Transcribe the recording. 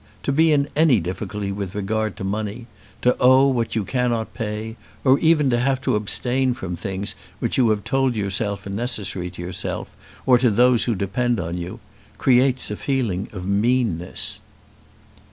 To be in any difficulty with regard to money, to owe what you cannot pay, or even to have to abstain from things which you have told yourself are necessary to yourself or to those who depend on you, creates a feeling of meanness."